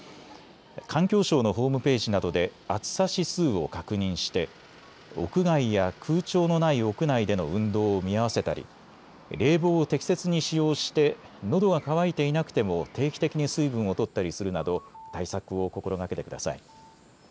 環境省のホームページなどで暑さ指数を確認して屋外や空調のない屋内での運動を見合わせたり、冷房を適切に使用して、のどが渇いていなくても定期的に水分をとったりするなど対策を心がけてください。